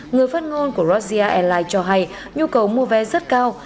người phát ngôn của rajia airlines cho hay nhu cầu mua vé rất cao